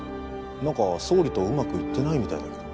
何か総理とうまくいってないみたいだけど。